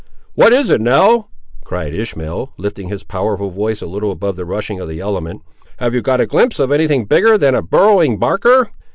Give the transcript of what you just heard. "What is it, Nell?" cried Ishmael, lifting his powerful voice a little above the rushing of the element. "Have you got a glimpse of any thing bigger than a burrowing barker?"